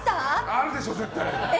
あるでしょ、絶対。